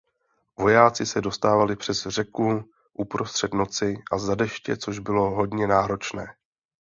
Vojáci se dostávali přes řeku uprostřed noci a za deště což bylo hodně náročné.